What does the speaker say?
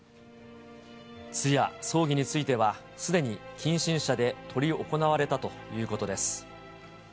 通夜・葬儀については、すでに近親者で執り行われたということです。